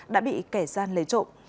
đã bị kẻ gian lấy trộm